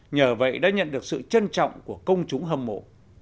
nhờ vậy đã nhận được sự trân trọng của công chúng hâm mộ